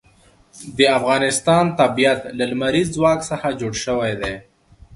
د افغانستان طبیعت له لمریز ځواک څخه جوړ شوی دی.